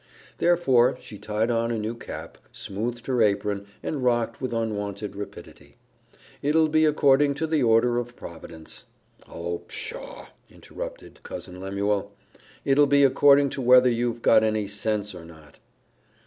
Therefore she tied on a new cap, smoothed her apron, and rocked with unwonted rapidity. "It'll be according to the ordering of Providence " "Oh, pshaw!" interrupted Cousin Lemuel, "it'll be according to whether you've got any sense or not."